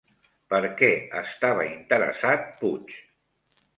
Per què estava interessat Puig?